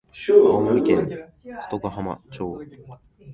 青森県外ヶ浜町